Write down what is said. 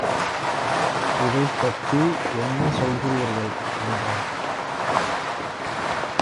இதைப்பத்தி என்ன சொல்லுகிறீர்கள் என்றான்.